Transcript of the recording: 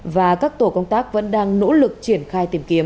và các tổ công tác vẫn đang nỗ lực triển khai tìm kiếm